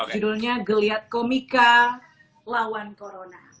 judulnya geliat komika lawan corona